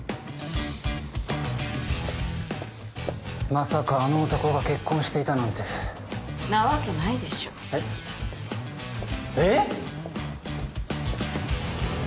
まさかあの男が結婚していたなんてなわけないでしょうえっええっ！？